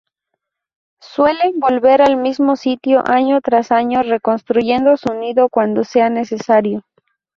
Suelen volver al mismo sitio año tras año, reconstruyendo su nido cuando sea necesario.